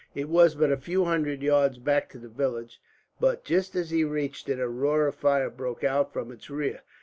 It was but a few hundred yards back to the village but, just as he reached it, a roar of fire broke out from its rear.